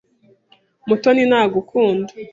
Mutoni ntagukunda.